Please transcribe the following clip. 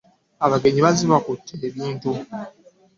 Abagenyi bazze bakutte ebintu.